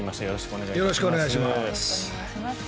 よろしくお願いします。